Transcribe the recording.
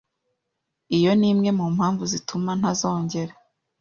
Iyo ni imwe mu mpamvu zituma ntazongera.